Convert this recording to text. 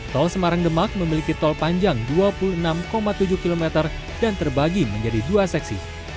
tol semarang demak memiliki tol panjang dua puluh enam tujuh km dan terbagi menjadi dua seksi